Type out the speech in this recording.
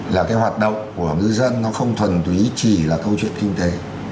là cái hoạt động của ngư dân nó không thuần túy chỉ là câu chuyện kinh tế